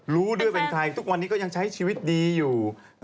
รู้ด้วยเป็นใครทุกวันนี้ก็ยังใช้ชีวิตดีอยู่